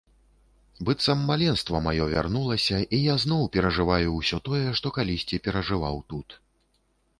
Быццам маленства маё вярнулася, і я зноў перажываю ўсё тое, што калісьці перажываў тут.